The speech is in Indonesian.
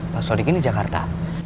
pak sodikin di jakarta